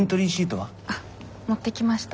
あっ持ってきました。